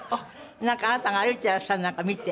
なんかあなたが歩いていらっしゃるのなんか見て。